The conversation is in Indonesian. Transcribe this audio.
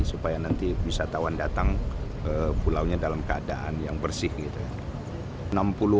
supaya nanti wisatawan datang pulau pulau dalam keadaan yang bersih gitu